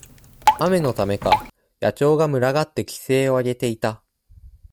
雨のためか、野鳥が群がって奇声をあげていた。